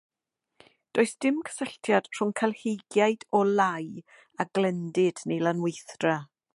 Does dim cysylltiad rhwng cael heigiad o lau a glendid neu lanweithdra.